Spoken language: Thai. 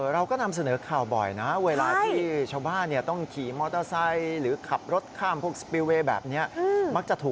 เราก็นำเสนอข่าวบ่อยเวลาที่ชาวบ้านต้องขี่มอเตอร์ไซต์